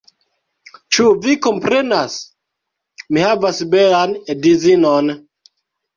Ĉu vi komprenas? Mi havas belan edzinon